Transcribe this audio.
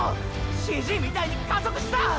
ＣＧみたいに加速した！！